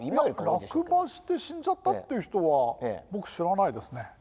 落馬して死んじゃったっていう人は僕知らないですね。